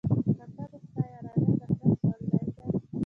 ټپه ده: ستا یارانه د خره سورلي ده